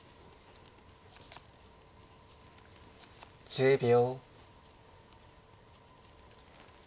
１０秒。